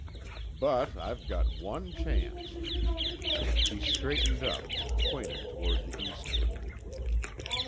"But, I've got one chance." He straightened up and pointed toward the eastward.